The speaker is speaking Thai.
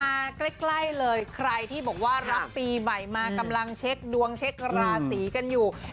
มาใกล้เลยใครที่บอกว่ารับปีใหม่มากำลังเช็คดวงเช็คราศีกันอยู่